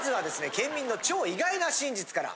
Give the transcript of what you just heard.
ケンミンの超意外な真実から。